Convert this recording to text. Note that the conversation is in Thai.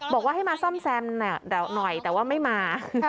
บอกว่าให้มาซ่อมแซมหน่อยแต่ว่าไม่มา